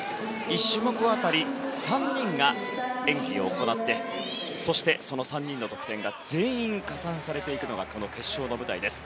１種目当たり３人が演技を行ってそしてその３人の得点が全員加算されていくのがこの決勝の舞台です。